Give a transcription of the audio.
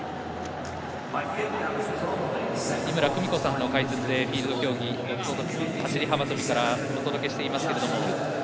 井村久美子さんの解説でフィールド競技走り幅跳びからお届けしています。